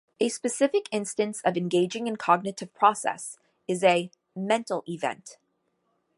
A specific instance of engaging in cognitive process is a mental event.